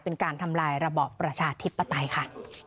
เป็นการทำลายระบอบประชาธิปไตยค่ะ